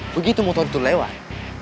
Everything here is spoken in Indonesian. begitu motor itu lewat